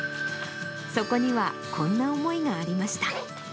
そこにはこんな思いがありました。